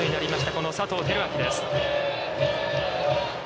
この佐藤輝明です。